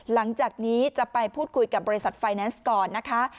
หลังจากนี้จะไปพูดคุยกับบริษัทไฟแนนซ์ก่อนนะคะ